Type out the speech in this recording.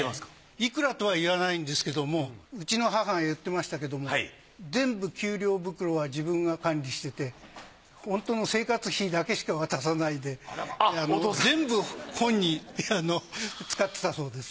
いくらとは言わないんですけどもうちの母が言ってましたけども全部給料袋は自分が管理しててホントの生活費だけしか渡さないで全部本に使ってたそうです。